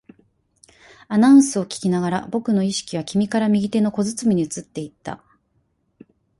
アナウンスを聞きながら、僕の意識は君から右手の小包に移っていった